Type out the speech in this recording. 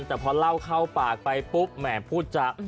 แต่พอเล่าเข้าปากไปปุ๊บแหมพูดจะ